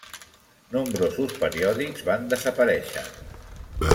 Nombrosos periòdics van desaparèixer.